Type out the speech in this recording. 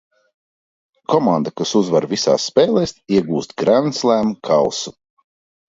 "Komanda, kas uzvar visās spēlēs, iegūst "Grand Slam" kausu."